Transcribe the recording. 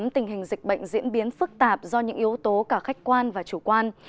tình hình dịch bệnh diễn biến phức tạp do những yếu tố cả khách quan và chủ quan